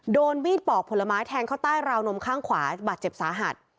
โดนมีดปอกผลไม้แทงเข้าใต้ราวนมข้างขวาบาดเจ็บสาหัส